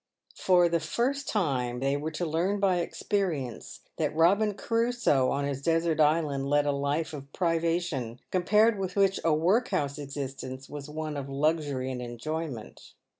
For the first time they were to learn by experience that B obinson Crusoe on his desert island led a life of privation, compared with which a workhouse existence was one of luxury and enjoyment.